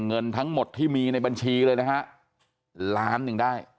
เงินทั้งหมดที่มีในบัญชีเลยนะฮะล้านหนึ่งได้